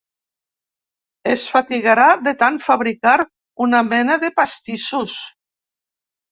Es fatigarà de tant fabricar una mena de pastissos.